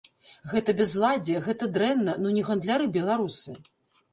Гэта бязладдзе, гэта дрэнна, ну не гандляры беларусы!